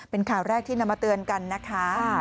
เป็นข่าวแรกที่นำมาเตือนกันนะคะ